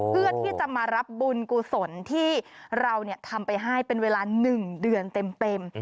เพื่อที่จะมารับบุญกุศลที่เราทำไปให้เป็นเวลา๑เดือนเต็ม